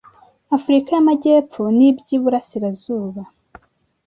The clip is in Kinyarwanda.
Afurika y Amajyepfo n iby Iburasirazuba